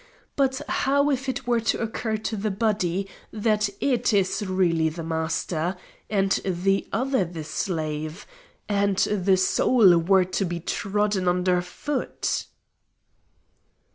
But how if it were to occur to the body that it is really the master and the other the slave, and the soul were to be trodden under foot?"